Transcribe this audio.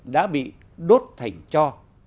đã bị đốt thành cho